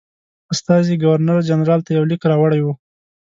استازي ګورنرجنرال ته یو لیک راوړی وو.